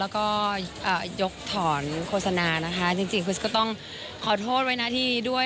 แล้วก็ยกถอนโฆษณานะคะจริงคริสก็ต้องขอโทษไว้หน้าที่ด้วย